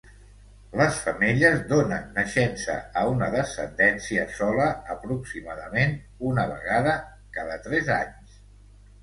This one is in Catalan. Les femelles donen naixença a una descendència sola aproximadament una vegada cada tres anys.